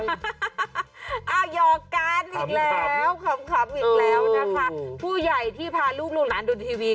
อ้าวหยอกการ์ดอีกแล้วขำอีกแล้วนะคะผู้ใหญ่ที่พาลูกลูกหลานดูทีวี